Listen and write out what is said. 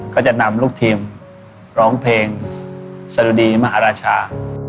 ก็จะนำลูกทีมร้องเพลงสะดุดีมหาราชา